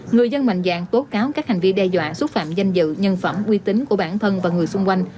người dân mạnh dạng tố cáo các hành vi đe dọa xúc phạm danh dự nhân phẩm quy tính của bản thân và người xung quanh